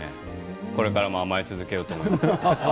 これからも甘え続けようと思います。